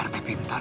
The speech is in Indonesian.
e r tak pinter